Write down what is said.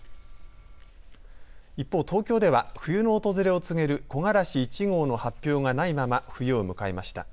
一方、東京では冬の訪れを告げる木枯らし１号の発表がないまま冬を迎えました。